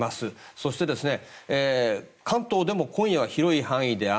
そして関東でも今夜は広い範囲で雨。